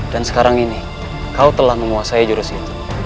dan sekarang ini kau telah memuasai jurus itu